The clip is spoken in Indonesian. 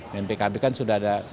dan pkb kan sudah ada